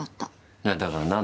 いやだから何で？